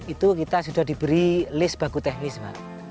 itu kita sudah diberi list baku teknis pak